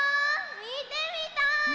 みてみたい！